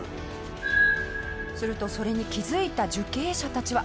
するとそれに気付いた受刑者たちは。